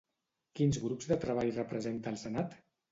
Quins grups de treball representa al Senat?